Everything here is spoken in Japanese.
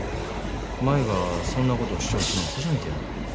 舞がそんなことを主張するん初めてやろ。